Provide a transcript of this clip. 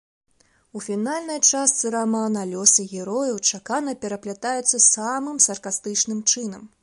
У фінальнай частцы рамана лёсы герояў чакана пераплятаюцца самым саркастычным чынам.